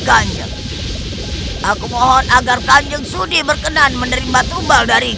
kanjeng aku mohon agar kanjeng sudi berkenan menerima tumbal dari